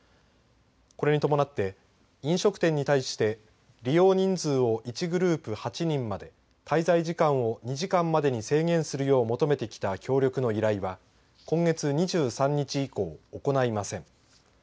これに伴って、飲食店に対して利用人数を１グループ８人まで滞在時間を２時間までに制限するよう求めてきた協力の依頼は今月２３日以降、行いません。